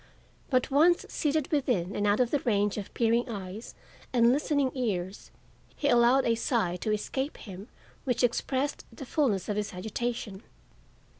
But once seated within, and out of the range of peering eyes and listening ears, he allowed a sigh to escape him which expressed the fullness of his agitation.